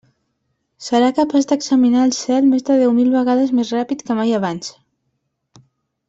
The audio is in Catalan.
Serà capaç d'examinar el cel més de deu mil vegades més ràpid que mai abans.